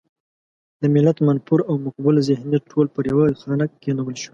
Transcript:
د ملت منفور او مقبول ذهنیت ټول پر يوه خانک کېنول شو.